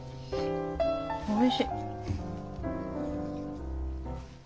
おいしい！